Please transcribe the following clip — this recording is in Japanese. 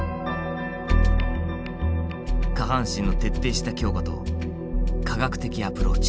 下半身の徹底した強化と科学的アプローチ。